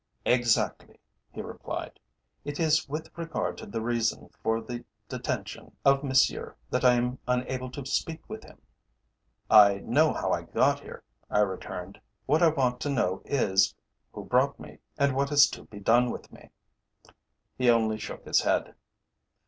"Exactly," he replied. "It is with regard to the reason for the detention of Monsieur that I am unable to speak with him." "I know how I got here," I returned. "What I want to know is, who brought me, and what is to be done with me?" He only shook his head.